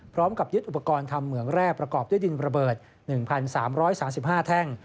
พร้อมกับยึดอุปกรณ์ทำเหมืองแร่ประกอบด้วยดินระเบิด๑๓๓๕แท่ง